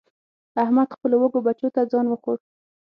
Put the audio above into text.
احمد خپلو وږو بچو ته ځان وخوړ.